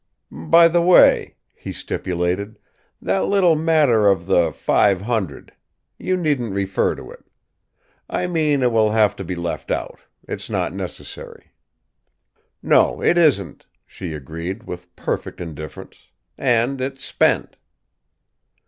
"By the way," he stipulated, "that little matter of the five hundred you needn't refer to it. I mean it will have to be left out. It's not necessary." "No; it isn't," she agreed, with perfect indifference. "And it's spent."